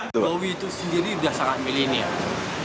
jokowi itu sendiri sudah sangat milenial